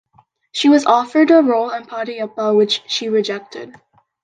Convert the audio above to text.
She was offered a role in "Padayappa" which she rejected.